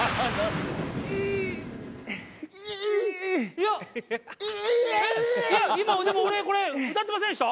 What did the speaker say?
いや今でも俺これ歌ってませんでした？